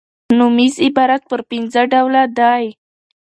نومیز عبارت پر پنځه ډوله دئ.